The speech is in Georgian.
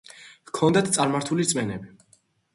ჰქონდათ წარმართული რწმენები.